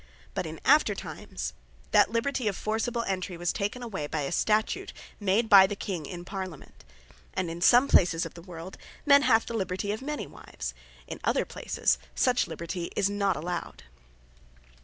But in after times, that Liberty of Forcible entry, was taken away by a Statute made (by the King) in Parliament. And is some places of the world, men have the Liberty of many wives: in other places, such Liberty is not allowed.